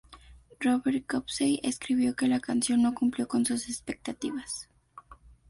Robert Copsey escribió que la canción no cumplió con su expectativas.